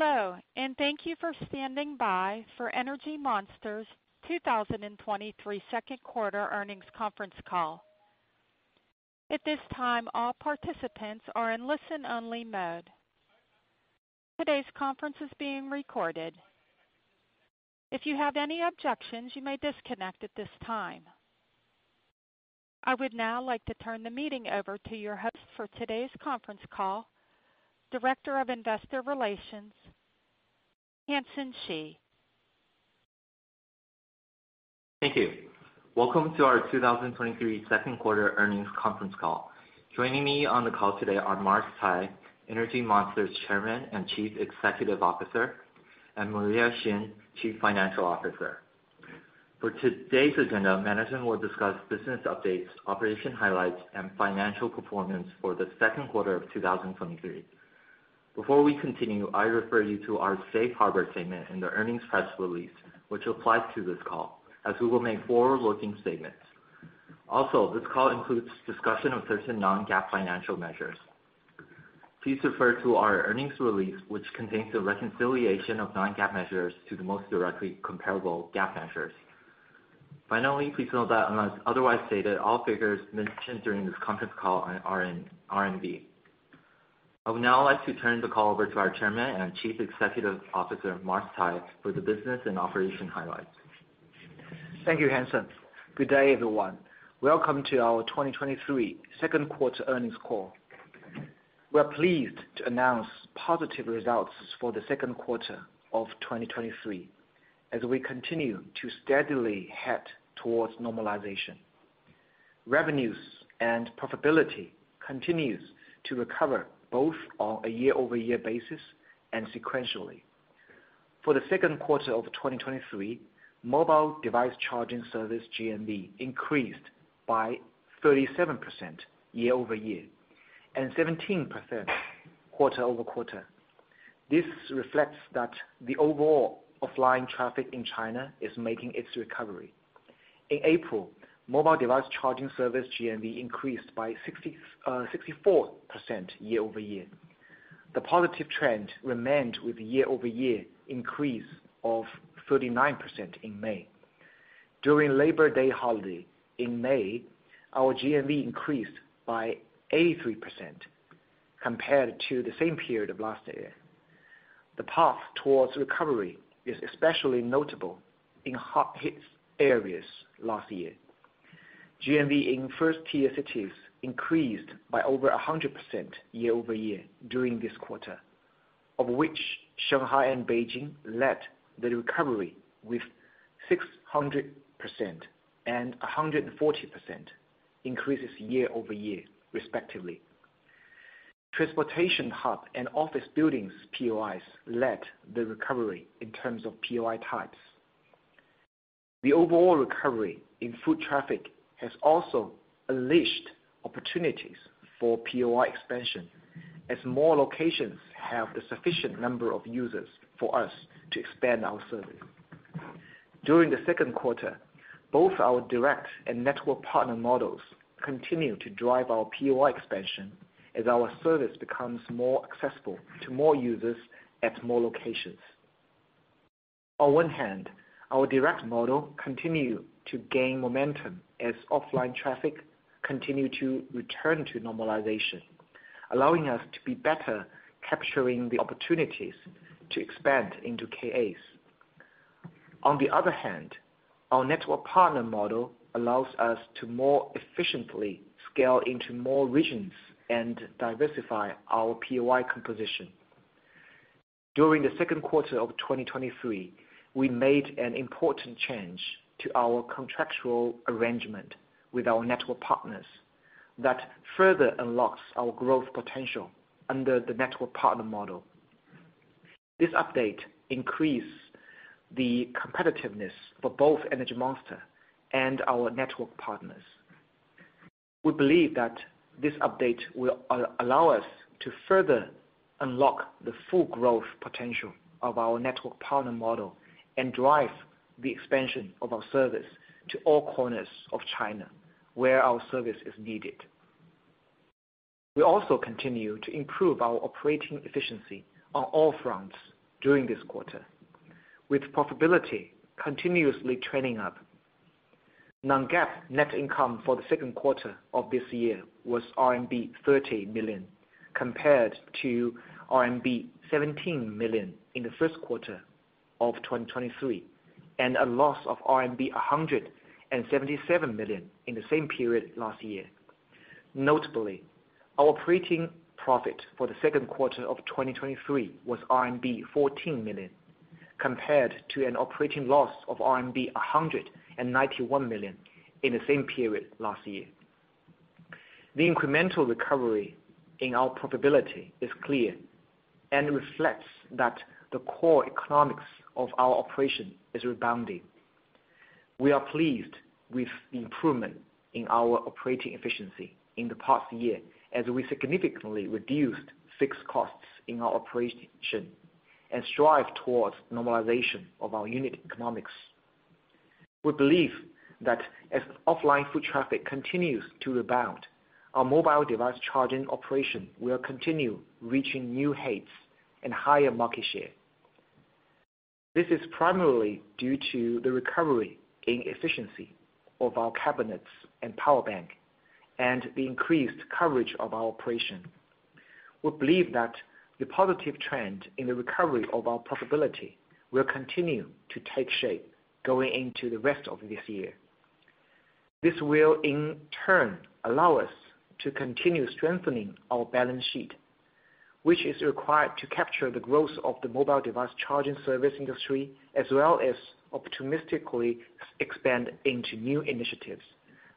Hello, thank you for standing by for Energy Monster's 2023 second quarter earnings conference call. At this time, all participants are in listen-only mode. Today's conference is being recorded. If you have any objections, you may disconnect at this time. I would now like to turn the meeting over to your host for today's conference call, Director of Investor Relations, Hansen Shi. Thank you. Welcome to our 2023 second quarter earnings conference call. Joining me on the call today are Mars Cai, Energy Monster's Chairman and Chief Executive Officer, and Maria Xin, Chief Financial Officer. For today's agenda, management will discuss business updates, operation highlights, and financial performance for the second quarter of 2023. Before we continue, I refer you to our safe harbor statement in the earnings press release, which applies to this call, as we will make forward-looking statements. Also, this call includes discussion of certain non-GAAP financial measures. Please refer to our earnings release, which contains a reconciliation of non-GAAP measures to the most directly comparable GAAP measures. Finally, please note that unless otherwise stated, all figures mentioned during this conference call are in RMB. I would now like to turn the call over to our Chairman and Chief Executive Officer, Mars Cai, for the business and operation highlights. Thank you, Hansen. Good day, everyone. Welcome to our 2023 second quarter earnings call. We are pleased to announce positive results for the second quarter of 2023, as we continue to steadily head towards normalization. Revenues and profitability continues to recover both on a year-over-year basis and sequentially. For the second quarter of 2023, mobile device charging service GMV increased by 37% year-over-year and 17% quarter-over-quarter. This reflects that the overall offline traffic in China is making its recovery. In April, mobile device charging service GMV increased by 64% year-over-year. The positive trend remained with year-over-year increase of 39% in May. During Labor Day holiday in May, our GMV increased by 83% compared to the same period of last year. The path towards recovery is especially notable in hard-hit areas last year. GMV in first-tier cities increased by over 100% year-over-year during this quarter, of which Shanghai and Beijing led the recovery with 600% and 140% increases year-over-year, respectively. Transportation hub and office buildings POIs led the recovery in terms of POI types. The overall recovery in foot traffic has also unleashed opportunities for POI expansion, as more locations have the sufficient number of users for us to expand our service. During the second quarter, both our direct and network partner models continued to drive our POI expansion as our service becomes more accessible to more users at more locations. On one hand, our direct model continued to gain momentum as offline traffic continued to return to normalization, allowing us to be better capturing the opportunities to expand into KAs. The other hand, our network partner model allows us to more efficiently scale into more regions and diversify our POI composition. During the second quarter of 2023, we made an important change to our contractual arrangement with our network partners that further unlocks our growth potential under the network partner model. This update increased the competitiveness for both Energy Monster and our network partners. We believe that this update will allow us to further unlock the full growth potential of our network partner model and drive the expansion of our service to all corners of China, where our service is needed. We also continued to improve our operating efficiency on all fronts during this quarter, with profitability continuously trending up. Non-GAAP net income for the second quarter of this year was RMB 30 million, compared to RMB 17 million in the first quarter of 2023, and a loss of RMB 177 million in the same period last year. Notably, our operating profit for the second quarter of 2023 was RMB 14 million, compared to an operating loss of RMB 191 million in the same period last year. The incremental recovery in our profitability is clear and reflects that the core economics of our operation is rebounding. We are pleased with the improvement in our operating efficiency in the past year, as we significantly reduced fixed costs in our operation and strive towards normalization of our unit economics. We believe that as offline foot traffic continues to rebound, our mobile device charging operation will continue reaching new heights and higher market share. This is primarily due to the recovery in efficiency of our cabinets and power bank, and the increased coverage of our operation. We believe that the positive trend in the recovery of our profitability will continue to take shape going into the rest of this year. This will, in turn, allow us to continue strengthening our balance sheet, which is required to capture the growth of the mobile device charging service industry, as well as optimistically expand into new initiatives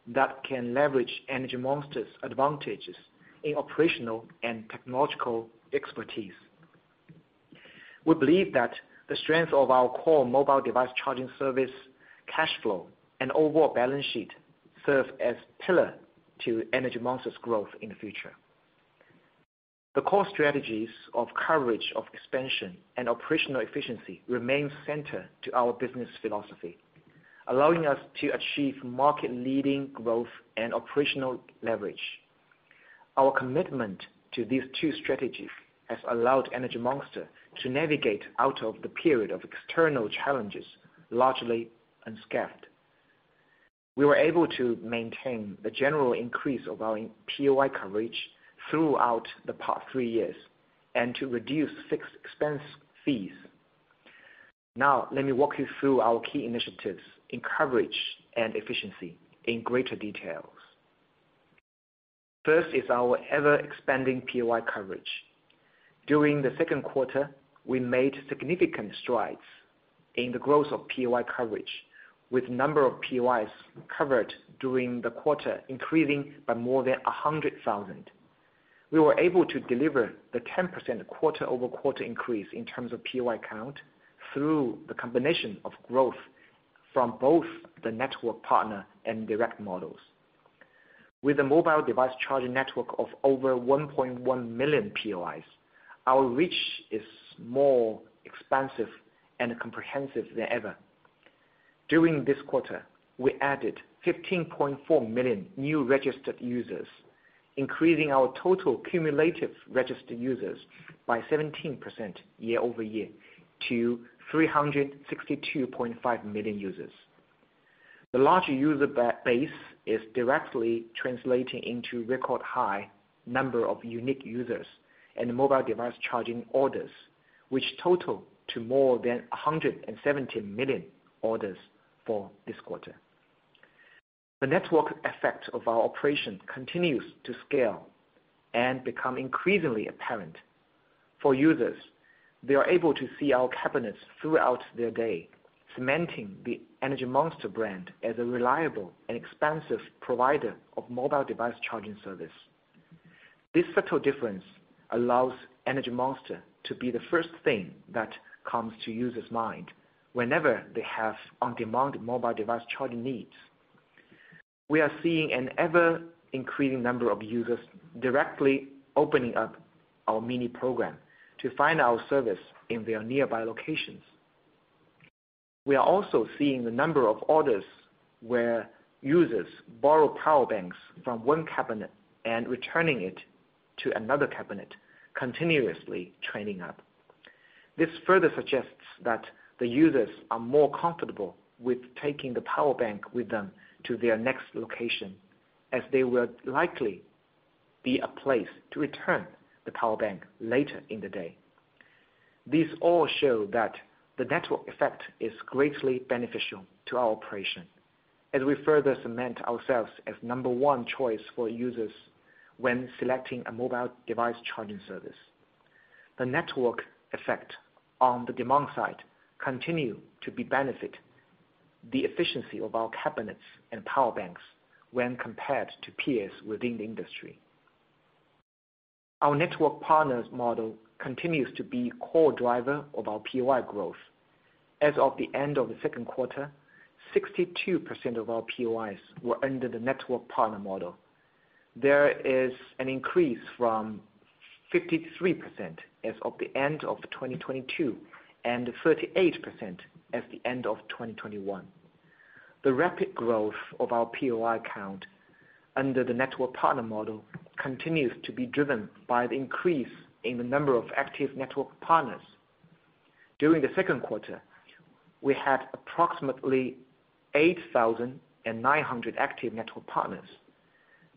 that can leverage Energy Monster's advantages in operational and technological expertise. We believe that the strength of our core mobile device charging service, cash flow, and overall balance sheet serve as pillar to Energy Monster's growth in the future. The core strategies of coverage, of expansion, and operational efficiency remain center to our business philosophy, allowing us to achieve market-leading growth and operational leverage. Our commitment to these two strategies has allowed Energy Monster to navigate out of the period of external challenges largely unscathed. We were able to maintain the general increase of our POI coverage throughout the past three years and to reduce fixed expense fees. Now, let me walk you through our key initiatives in coverage and efficiency in greater details. First is our ever-expanding POI coverage. During the second quarter, we made significant strides in the growth of POI coverage, with number of POIs covered during the quarter increasing by more than 100,000. We were able to deliver the 10% quarter-over-quarter increase in terms of POI count through the combination of growth from both the network partner and direct models. With a mobile device charging network of over 1.1 million POIs, our reach is more expansive and comprehensive than ever. During this quarter, we added 15.4 million new registered users, increasing our total cumulative registered users by 17% year-over-year to 362.5 million users. The larger user base is directly translating into record high number of unique users and mobile device charging orders, which total to more than 170 million orders for this quarter. The network effect of our operation continues to scale and become increasingly apparent. For users, they are able to see our cabinets throughout their day, cementing the Energy Monster brand as a reliable and expansive provider of mobile device charging service. This subtle difference allows Energy Monster to be the first thing that comes to users' mind whenever they have on-demand mobile device charging needs. We are seeing an ever-increasing number of users directly opening up our mini program to find our service in their nearby locations. We are also seeing the number of orders where users borrow power banks from one cabinet and returning it to another cabinet, continuously training up. This further suggests that the users are more comfortable with taking the power bank with them to their next location, as there will likely be a place to return the power bank later in the day. These all show that the network effect is greatly beneficial to our operation as we further cement ourselves as number one choice for users when selecting a mobile device charging service. The network effect on the demand side continue to be benefit the efficiency of our cabinets and power banks when compared to peers within the industry. Our network partners model continues to be core driver of our POI growth. As of the end of the second quarter, 62% of our POIs were under the network partner model. There is an increase from 53% as of the end of 2022, and 38% as the end of 2021. The rapid growth of our POI count under the network partner model continues to be driven by the increase in the number of active network partners. During the second quarter, we had approximately 8,900 active network partners.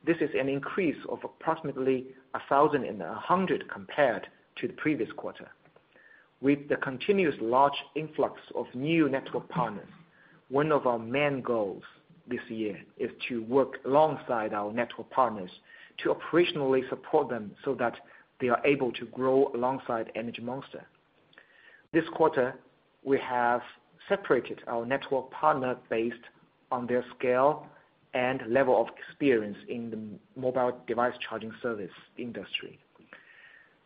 This is an increase of approximately 1,100 compared to the previous quarter. With the continuous large influx of new network partners, one of our main goals this year is to work alongside our network partners to operationally support them so that they are able to grow alongside Energy Monster. This quarter, we have separated our network partner based on their scale and level of experience in the mobile device charging service industry.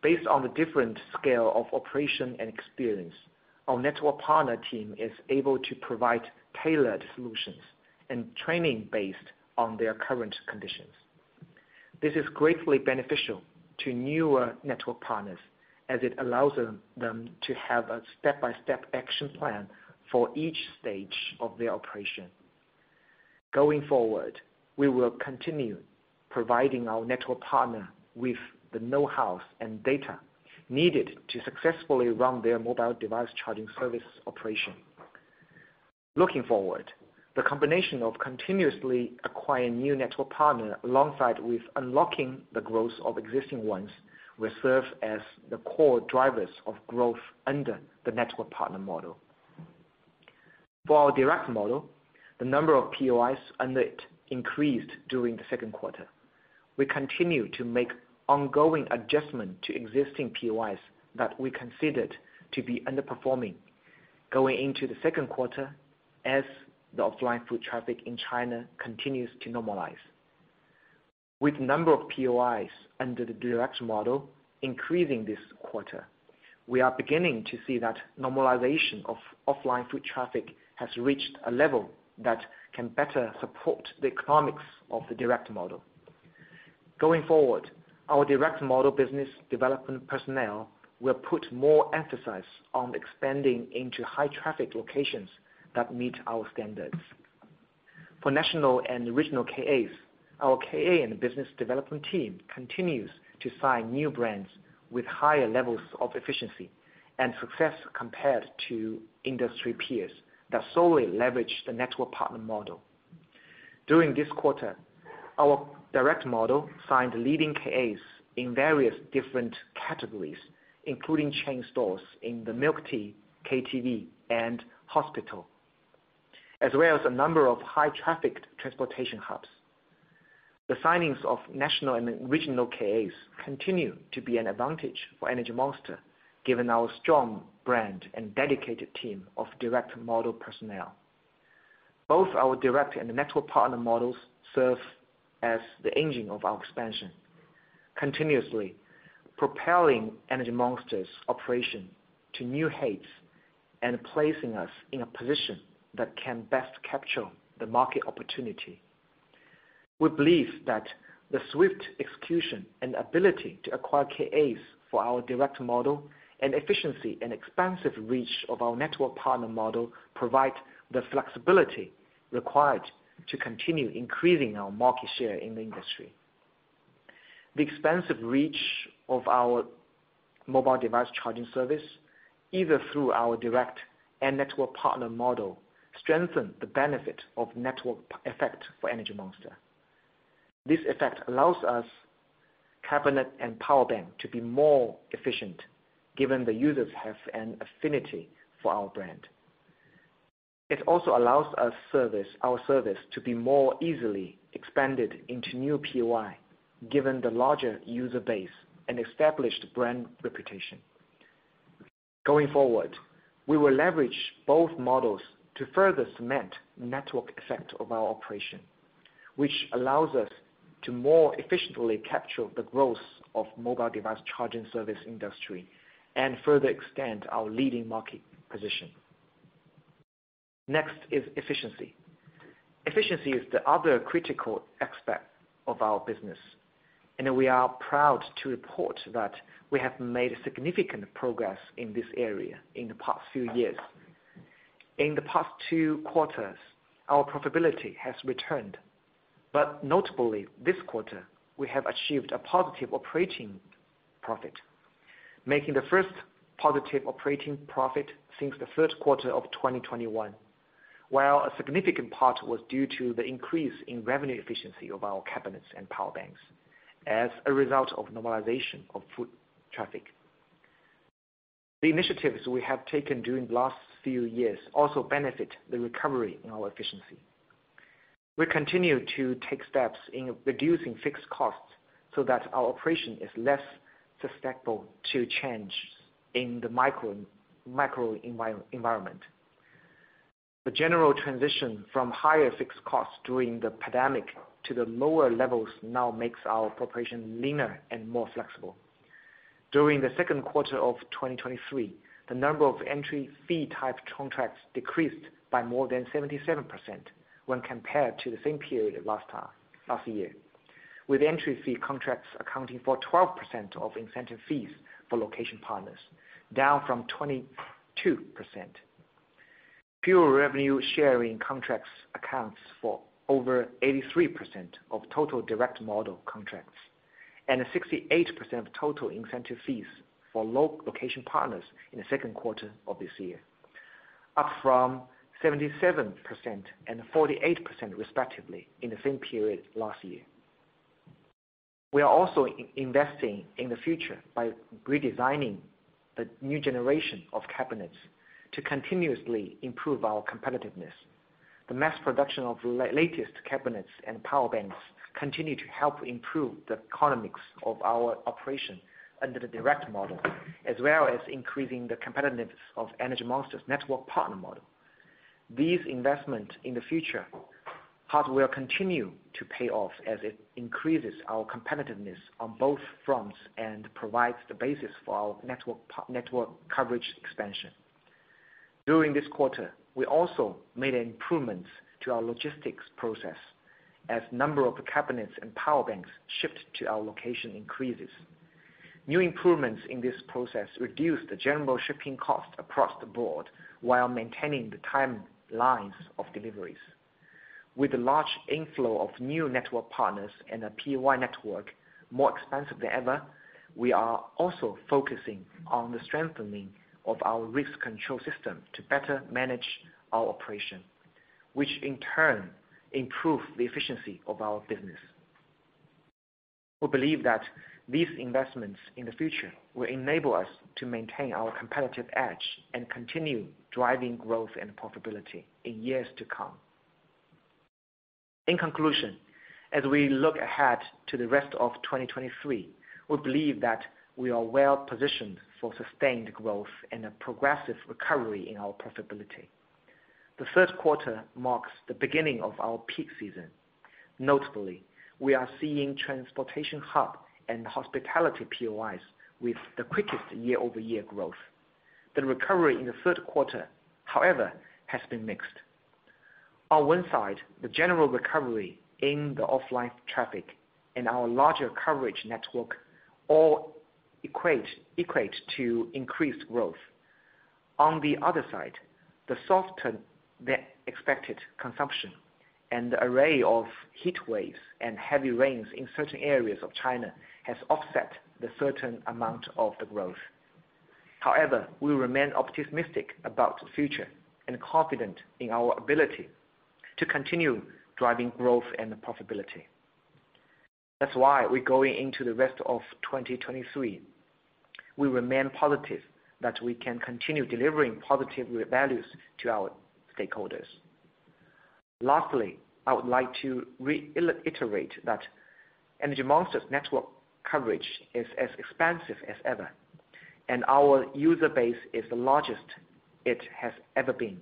Based on the different scale of operation and experience, our network partner team is able to provide tailored solutions and training based on their current conditions. This is greatly beneficial to newer network partners, as it allows them to have a step-by-step action plan for each stage of their operation. Going forward, we will continue providing our network partner with the know-hows and data needed to successfully run their mobile device charging service operation. Looking forward, the combination of continuously acquiring new network partner, alongside with unlocking the growth of existing ones, will serve as the core drivers of growth under the network partner model. For our direct model, the number of POIs under it increased during the second quarter. We continue to make ongoing adjustment to existing POIs that we considered to be underperforming going into the second quarter, as the offline foot traffic in China continues to normalize. With number of POIs under the direct model increasing this quarter, we are beginning to see that normalization of offline foot traffic has reached a level that can better support the economics of the direct model. Going forward, our direct model business development personnel will put more emphasis on expanding into high traffic locations that meet our standards. For national and regional KAs, our KA and business development team continues to sign new brands with higher levels of efficiency and success, compared to industry peers that solely leverage the network partner model. During this quarter, our direct model signed leading KAs in various different categories, including chain stores in the milk tea, KTV, and hospital, as well as a number of high-trafficked transportation hubs. The signings of national and regional KAs continue to be an advantage for Energy Monster, given our strong brand and dedicated team of direct model personnel. Both our direct and the network partner models serve as the engine of our expansion, continuously propelling Energy Monster's operation to new heights and placing us in a position that can best capture the market opportunity. We believe that the swift execution and ability to acquire KAs for our direct model, and efficiency and expansive reach of our network partner model, provide the flexibility required to continue increasing our market share in the industry. The expansive reach of our mobile device charging service, either through our direct and network partner model, strengthen the benefit of network effect for Energy Monster. This effect allows us, cabinet and power bank, to be more efficient, given the users have an affinity for our brand. It also allows us service, our service to be more easily expanded into new POI, given the larger user base and established brand reputation. Going forward, we will leverage both models to further cement the network effect of our operation, which allows us to more efficiently capture the growth of mobile device charging service industry and further extend our leading market position. Next is efficiency. Efficiency is the other critical aspect of our business, and we are proud to report that we have made significant progress in this area in the past few years. In the past two quarters, our profitability has returned. Notably, this quarter, we have achieved a positive operating profit, making the first positive operating profit since the third quarter of 2021, while a significant part was due to the increase in revenue efficiency of our cabinets and power banks as a result of normalization of foot traffic. The initiatives we have taken during the last few years also benefit the recovery in our efficiency. We continue to take steps in reducing fixed costs so that our operation is less susceptible to change in the micro environment. The general transition from higher fixed costs during the pandemic to the lower levels now makes our operation leaner and more flexible. During the second quarter of 2023, the number of entry fee type contracts decreased by more than 77% when compared to the same period last year, with entry fee contracts accounting for 12% of incentive fees for location partners, down from 22%. Pure revenue sharing contracts accounts for over 83% of total direct model contracts, and 68% of total incentive fees for location partners in the second quarter of this year, up from 77% and 48%, respectively, in the same period last year. We are also investing in the future by redesigning the new generation of cabinets to continuously improve our competitiveness. The mass production of latest cabinets and power banks continue to help improve the economics of our operation under the direct model, as well as increasing the competitiveness of Energy Monster's network partner model. These investment in the future hardware continue to pay off as it increases our competitiveness on both fronts and provides the basis for our network network coverage expansion. During this quarter, we also made improvements to our logistics process as number of cabinets and power banks shipped to our location increases. New improvements in this process reduce the general shipping cost across the board while maintaining the timelines of deliveries. With the large inflow of new network partners and a POI network more expansive than ever, we are also focusing on the strengthening of our risk control system to better manage our operation, which in turn improve the efficiency of our business. We believe that these investments in the future will enable us to maintain our competitive edge and continue driving growth and profitability in years to come. In conclusion, as we look ahead to the rest of 2023, we believe that we are well positioned for sustained growth and a progressive recovery in our profitability. The third quarter marks the beginning of our peak season. Notably, we are seeing transportation hub and hospitality POIs with the quickest year-over-year growth. The recovery in the third quarter, however, has been mixed. On one side, the general recovery in the offline traffic and our larger coverage network all equate to increased growth. On the other side, the softer than expected consumption and the array of heat waves and heavy rains in certain areas of China has offset the certain amount of the growth. We remain optimistic about the future and confident in our ability to continue driving growth and profitability. That's why we're going into the rest of 2023, we remain positive that we can continue delivering positive values to our stakeholders. Lastly, I would like to iterate that Energy Monster's network coverage is as expansive as ever, and our user base is the largest it has ever been.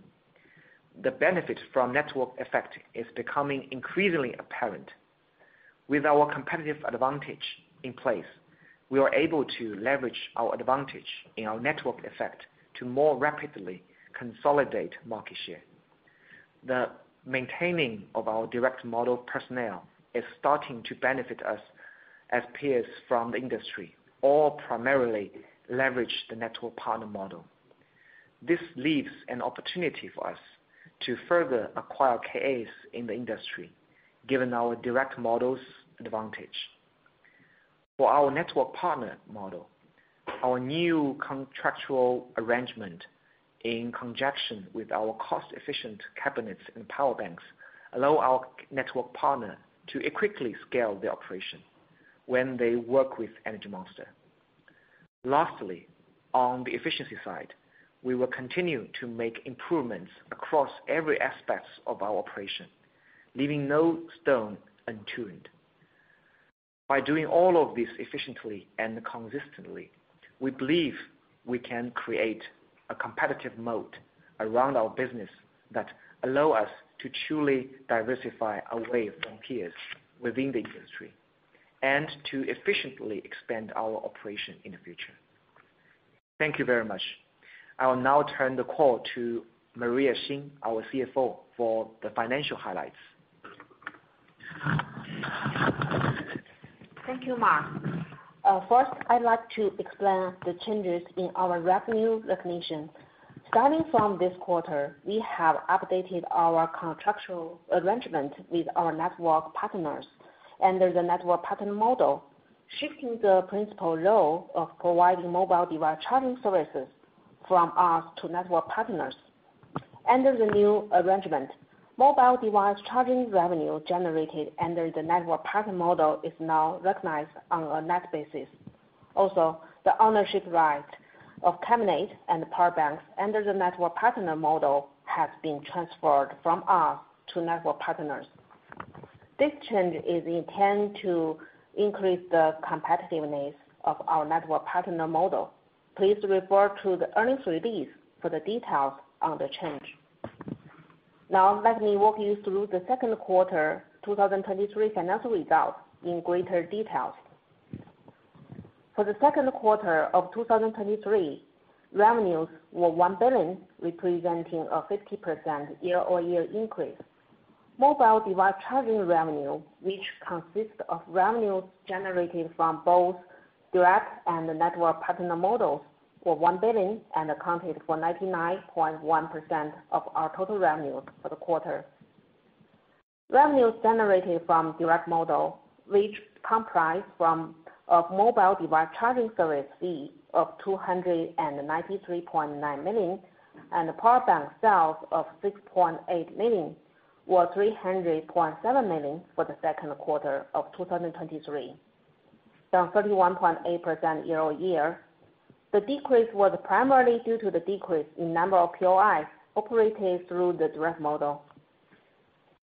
The benefit from network effect is becoming increasingly apparent. With our competitive advantage in place, we are able to leverage our advantage in our network effect to more rapidly consolidate market share. The maintaining of our direct model personnel is starting to benefit us as peers from the industry, all primarily leverage the network partner model. This leaves an opportunity for us to further acquire KAs in the industry, given our direct models advantage. For our network partner model, our new contractual arrangement, in conjunction with our cost-efficient cabinets and power banks, allow our network partner to quickly scale the operation when they work with Energy Monster. Lastly, on the efficiency side, we will continue to make improvements across every aspects of our operation, leaving no stone unturned. By doing all of this efficiently and consistently, we believe we can create a competitive moat around our business that allow us to truly diversify away from peers within the industry, and to efficiently expand our operation in the future. Thank you very much. I will now turn the call to Maria Xin, our CFO, for the financial highlights. Thank you, Mars. First, I'd like to explain the changes in our revenue recognition. Starting from this quarter, we have updated our contractual arrangement with our network partners under the network partner model, shifting the principal role of providing mobile device charging services from us to network partners. Under the new arrangement, mobile device charging revenue generated under the network partner model is now recognized on a net basis. The ownership right of cabinets and power banks under the network partner model has been transferred from us to network partners. This change is intended to increase the competitiveness of our network partner model. Please refer to the earnings release for the details on the change. Now let me walk you through the second quarter 2023 financial results in greater details. For the second quarter of 2023, revenues were 1 billion, representing a 50% year-over-year increase. Mobile device charging revenue, which consists of revenues generated from both direct and the network partner models, were 1 billion and accounted for 99.1% of our total revenues for the quarter. Revenues generated from direct model, which comprise from, of mobile device charging service fee of 293.9 million, and power bank sales of 6.8 million, were 300.7 million for the second quarter of 2023, down 31.8% year-over-year. The decrease was primarily due to the decrease in number of POIs operated through the direct model.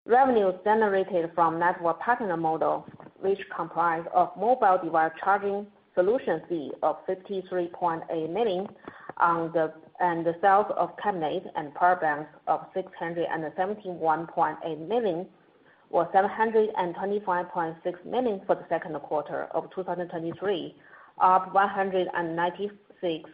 Revenues generated from network partner model, which comprise of mobile device charging solution fee of 53.8 million, and the sales of cabinets and power banks of 671.8 million, was 725.6 million for the second quarter of 2023, up 196.1% year-over-year. The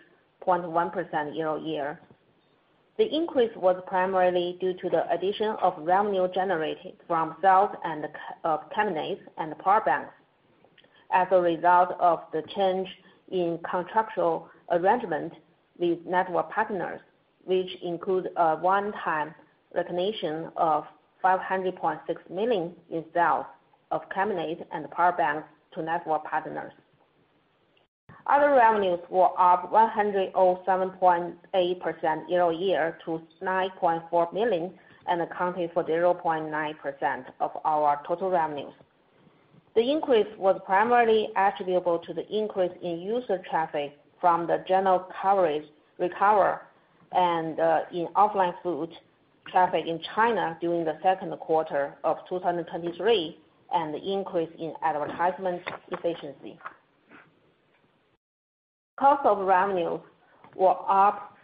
increase was primarily due to the addition of revenue generated from sales of terminals and power banks. As a result of the change in contractual arrangement with network partners, which include a one-time recognition of 500.6 million in sales of terminals and power banks to network partners. Other revenues were up 107.8% year-over-year to 9.4 million, accounting for 0.9% of our total revenues. The increase was primarily attributable to the increase in user traffic from the general coverage recover and in offline foot traffic in China during the second quarter of 2023, and the increase in advertisement efficiency. Cost of revenues were up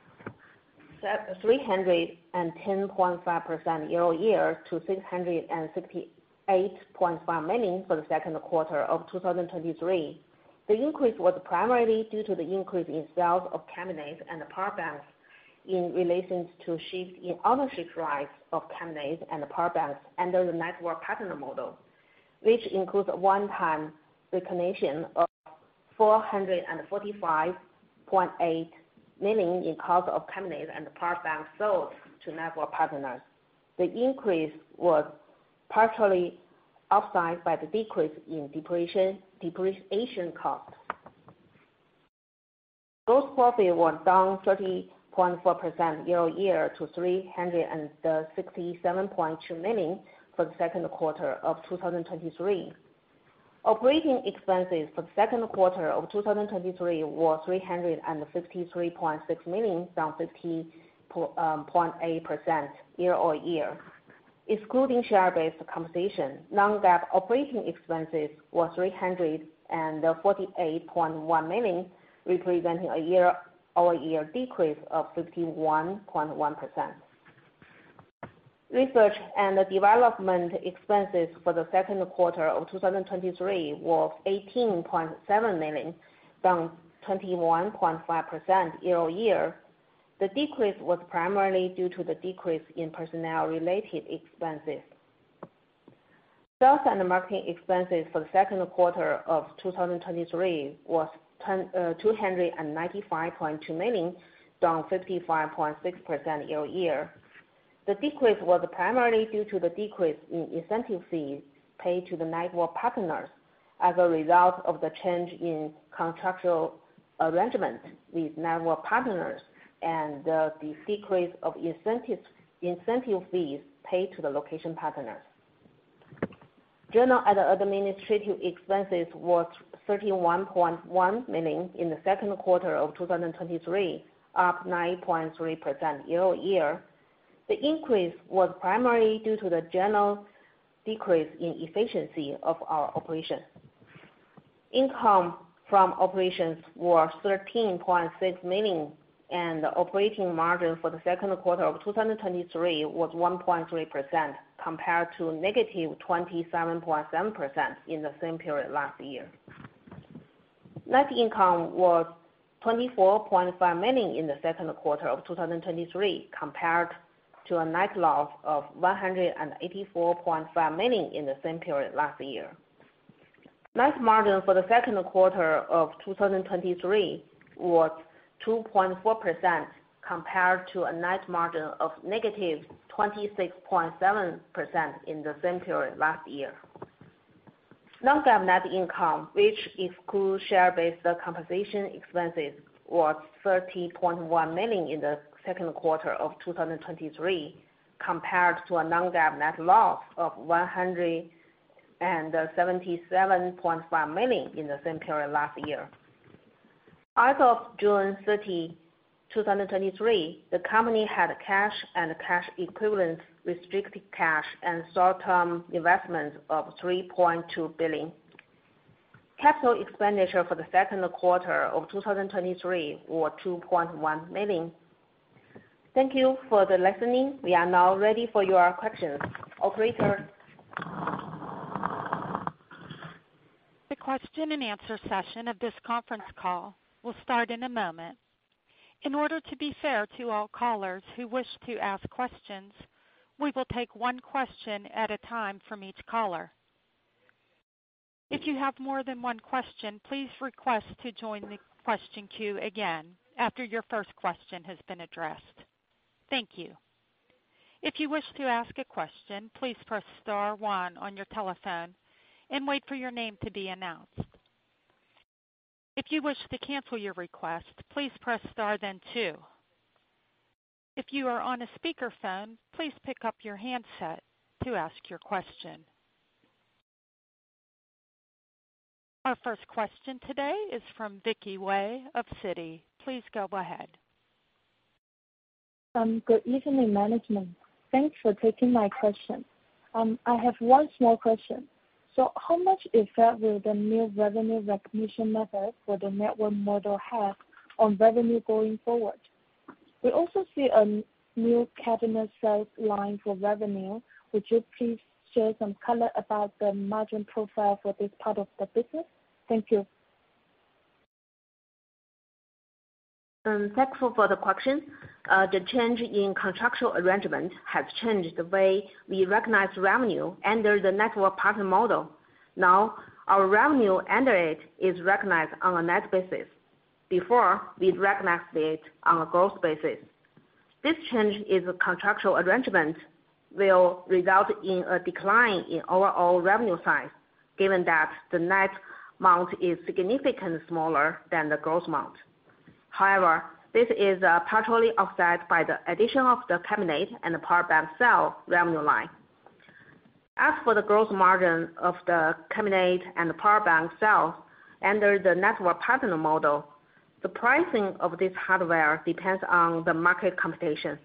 310.5% year-over-year to 668.5 million for the second quarter of 2023. The increase was primarily due to the increase in sales of terminals and power banks in relations to shift in ownership rights of terminals and power banks under the network partner model, which includes a one-time recognition of 445.8 million in cost of terminals and power banks sold to network partners. The increase was partially offset by the decrease in depreciation, depreciation cost. Gross profit was down 30.4% year-over-year to 367.2 million for the second quarter of 2023. Operating expenses for the second quarter of 2023 was 353.6 million, down 15.8% year-over-year. Excluding share-based compensation, non-GAAP operating expenses was 348.1 million, representing a year-over-year decrease of 51.1%. Research and development expenses for the second quarter of 2023 was 18.7 million, down 21.5% year-over-year. The decrease was primarily due to the decrease in personnel-related expenses. Sales and marketing expenses for the second quarter of 2023 was 295.2 million, down 55.6% year-over-year. The decrease was primarily due to the decrease in incentive fees paid to the network partners as a result of the change in contractual arrangement with network partners and the decrease of incentives, incentive fees paid to the location partners. General and administrative expenses was 31.1 million in the second quarter of 2023, up 9.3% year-over-year. The increase was primarily due to the general decrease in efficiency of our operations. Income from operations were 13.6 million, and operating margin for the second quarter of 2023 was 1.3% compared to negative 27.7% in the same period last year. Net income was 24.5 million in the second quarter of 2023, compared to a net loss of 184.5 million in the same period last year. Net margin for the second quarter of 2023 was 2.4% compared to a net margin of negative 26.7% in the same period last year. non-GAAP net income, which excludes share-based compensation expenses, was 30.1 million in the second quarter of 2023, compared to a non-GAAP net loss of 177.5 million in the same period last year. As of 30 June 2023, the company had a cash and cash equivalent, restricted cash and short-term investments of 3.2 billion. Capital expenditure for the second quarter of 2023 were 2.1 million. Thank you for the listening. We are now ready for your questions. Operator? The question and answer session of this conference call will start in a moment. In order to be fair to all callers who wish to ask questions, we will take one question at a time from each caller. If you have more than one question, please request to join the question queue again after your first question has been addressed. Thank you. If you wish to ask a question, please press star one on your telephone and wait for your name to be announced. If you wish to cancel your request, please press star, then two. If you are on a speakerphone, please pick up your handset to ask your question. Our first question today is from Vicky Wei of Citi. Please go ahead. Good evening, management. Thanks for taking my question. I have one small question. How much effect will the new revenue recognition method for the network model have on revenue going forward? We also see a new cabinet sales line for revenue. Would you please share some color about the margin profile for this part of the business? Thank you. Thankful for the question. The change in contractual arrangement has changed the way we recognize revenue under the network partner model. Now, our revenue under it is recognized on a net basis. Before, we'd recognize it on a gross basis. This change in the contractual arrangement will result in a decline in overall revenue size, given that the net amount is significantly smaller than the gross amount. However, this is partially offset by the addition of the cabinet and the power bank sale revenue line. As for the gross margin of the cabinet and the power bank sale under the network partner model, the pricing of this hardware depends on the market competition.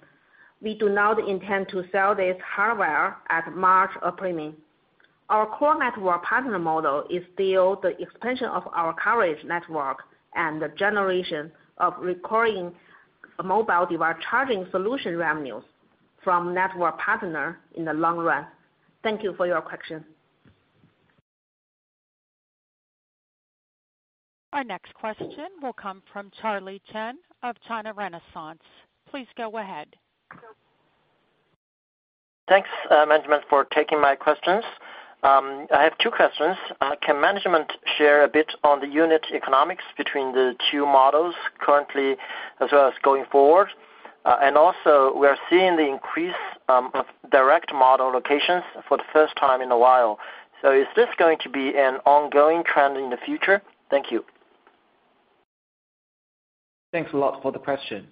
We do not intend to sell this hardware at margin or premium. Our core network partner model is still the expansion of our coverage network and the generation of recurring mobile device charging solution revenues from network partner in the long run. Thank you for your question. Our next question will come from Charlie Chen of China Renaissance. Please go ahead. Thanks, management, for taking my questions. I have two questions. Can management share a bit on the unit economics between the two models currently, as well as going forward? Also, we are seeing the increase of direct model locations for the first time in a while. So is this going to be an ongoing trend in the future? Thank you. Thanks a lot for the question.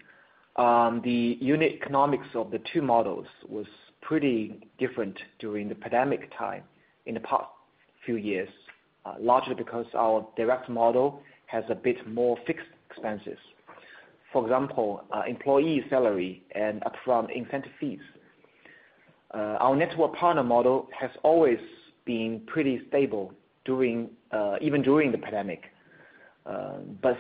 The unit economics of the two models was pretty different during the pandemic time in the past few years, largely because our direct model has a bit more fixed expenses. For example, employee salary and upfront incentive fees. Our network partner model has always been pretty stable during, even during the pandemic.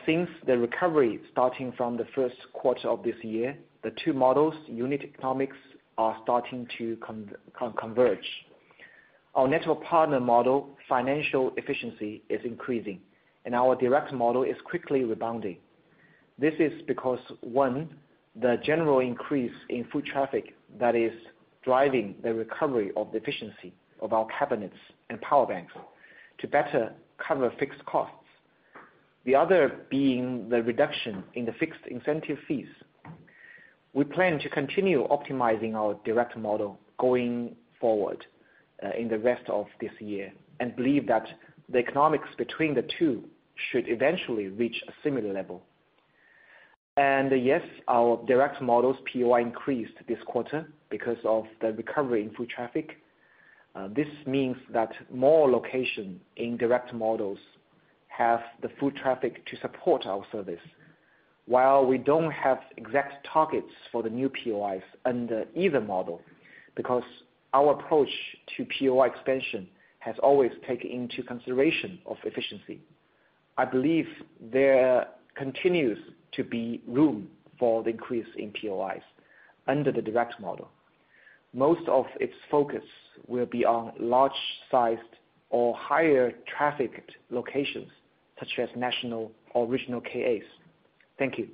Since the recovery starting from the first quarter of this year, the two models, unit economics, are starting to converge. Our network partner model, financial efficiency is increasing, and our direct model is quickly rebounding. This is because, one, the general increase in foot traffic that is driving the recovery of the efficiency of our cabinets and power banks to better cover fixed costs, the other being the reduction in the fixed incentive fees. We plan to continue optimizing our direct model going forward, in the rest of this year, and believe that the economics between the two should eventually reach a similar level. Yes, our direct models POI increased this quarter because of the recovery in foot traffic. This means that more location in direct models have the foot traffic to support our service. While we don't have exact targets for the new POIs under either model, because our approach to POI expansion has always taken into consideration of efficiency, I believe there continues to be room for the increase in POIs under the direct model. Most of its focus will be on large-sized or higher-trafficked locations, such as national or regional KAs. Thank you.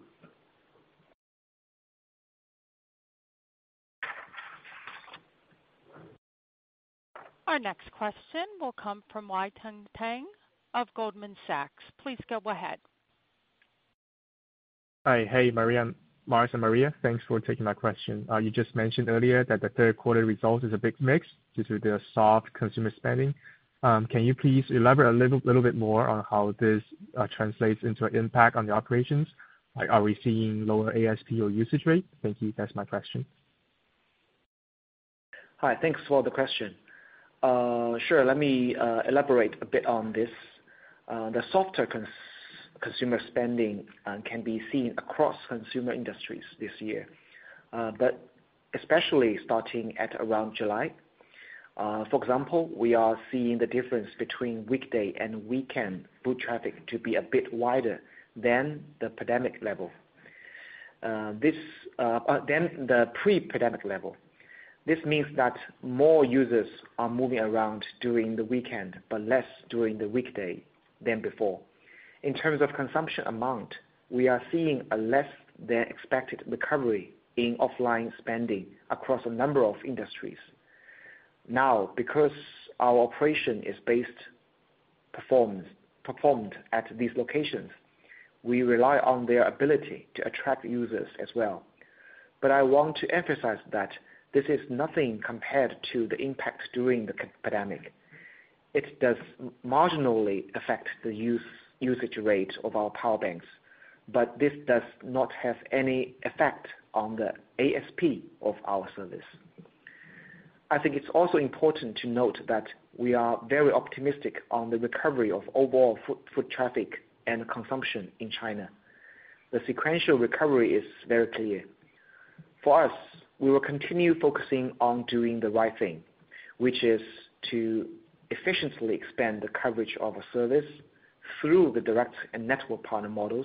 Our next question will come from Weiting Tang of Goldman Sachs. Please go ahead. Hi. Hey, Maria, Mars and Maria, thanks for taking my question. You just mentioned earlier that the third quarter result is a big mix due to the soft consumer spending. Can you please elaborate a little bit more on how this translates into impact on the operations? Like, are we seeing lower ASP or usage rate? Thank you. That's my question. Hi, thanks for the question. Sure, let me elaborate a bit on this. The softer consumer spending can be seen across consumer industries this year, but especially starting at around July. For example, we are seeing the difference between weekday and weekend foot traffic to be a bit wider than the pandemic level. This... Than the pre-pandemic level. This means that more users are moving around during the weekend, but less during the weekday than before. In terms of consumption amount, we are seeing a less-than-expected recovery in offline spending across a number of industries. Now, because our operation is based, performed, performed at these locations, we rely on their ability to attract users as well. I want to emphasize that this is nothing compared to the impact during the pandemic. It does marginally affect the usage rate of our power banks, but this does not have any effect on the ASP of our service. I think it's also important to note that we are very optimistic on the recovery of overall foot traffic and consumption in China. The sequential recovery is very clear. For us, we will continue focusing on doing the right thing, which is to efficiently expand the coverage of our service through the direct and network partner models.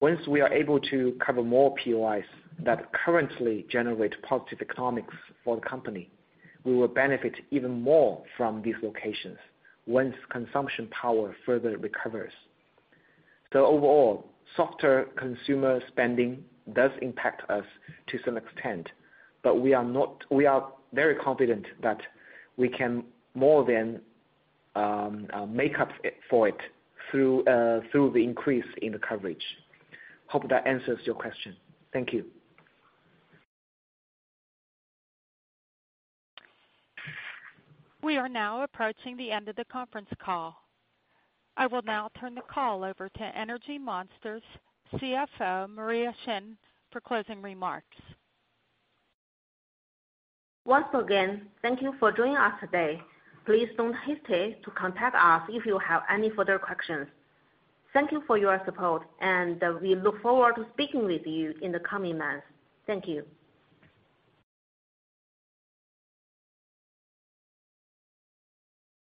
Once we are able to cover more POIs that currently generate positive economics for the company, we will benefit even more from these locations once consumption power further recovers. Overall, softer consumer spending does impact us to some extent, but we are very confident that we can more than make up for it through the increase in the coverage. Hope that answers your question. Thank you. We are now approaching the end of the conference call. I will now turn the call over to Energy Monster's CFO, Maria Xin, for closing remarks. Once again, thank you for joining us today. Please don't hesitate to contact us if you have any further questions. Thank you for your support, and we look forward to speaking with you in the coming months. Thank you.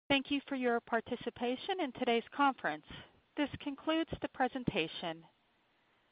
Thank you for your participation in today's conference. This concludes the presentation.